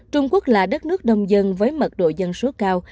trung quốc là đất nước đông dân với mật độ dân số cao